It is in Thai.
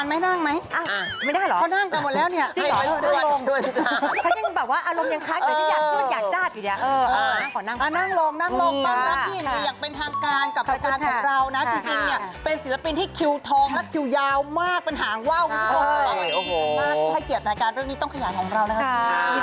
มีหลักหลายประเด็นเลยคุณจะยืนอีกนานไหมนั่งไหม